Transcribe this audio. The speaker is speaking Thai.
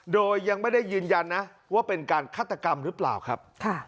โดยยังไม่ได้ยืนยันนะว่าเป็นการฆาตกรรมหรือเปล่าครับ